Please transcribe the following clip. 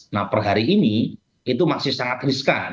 nah per hari ini itu masih sangat riskan